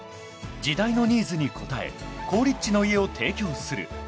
［時代のニーズに応え好立地の家を提供する］